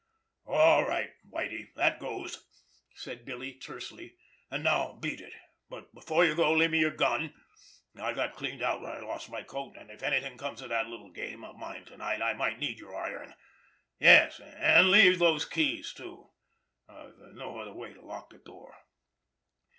"All right, Whitie—that goes!" said Billy Kane tersely. "And now, beat it! But before you go leave me your gun. I got cleaned out when I lost my coat, and if anything comes of that little game of mine to night I might need your iron. Yes, and leave those keys, too—I've no other way to lock the door."